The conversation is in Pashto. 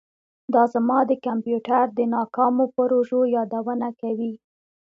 دا زما د کمپیوټر د ناکامو پروژو یادونه کوي